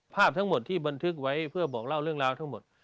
ภาพทั้งหมดที่บันทึกไว้เพื่อบอกเล่าเรื่องราวทั้งหมด